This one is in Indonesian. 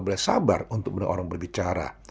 boleh sabar untuk dengan orang berbicara